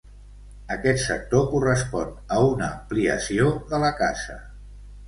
Aquest sector correspon a una ampliació de la casa.